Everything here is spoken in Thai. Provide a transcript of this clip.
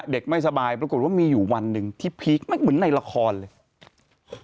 ไม่สบายปรากฏว่ามีอยู่วันหนึ่งที่พีคไม่เหมือนในละครเลย